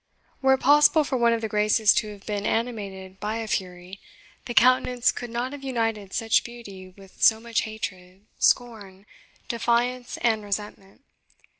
Were it possible for one of the Graces to have been animated by a Fury, the countenance could not have united such beauty with so much hatred, scorn, defiance, and resentment.